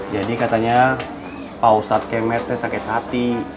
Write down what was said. jadi katanya pak ustadz kemetnya sakit hati